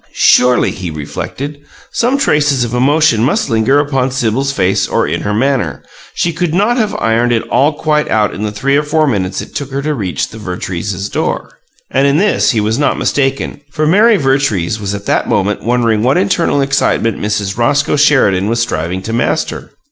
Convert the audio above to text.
Surely, he reflected, some traces of emotion must linger upon Sibyl's face or in her manner; she could not have ironed it all quite out in the three or four minutes it took her to reach the Vertreeses' door. And in this he was not mistaken, for Mary Vertrees was at that moment wondering what internal excitement Mrs. Roscoe Sheridan was striving to master.